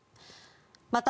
また、